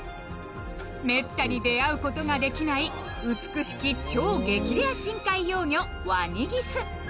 めったに出会うことができない美しき超激レア深海幼魚ワニギス